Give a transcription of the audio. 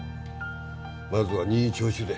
まずは任意聴取で。